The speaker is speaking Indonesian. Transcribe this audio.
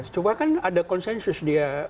cuma kan ada konsensus dia